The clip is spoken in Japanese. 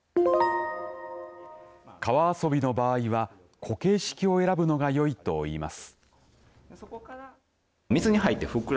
川遊びの場合は固型式を選ぶのがよいといいます。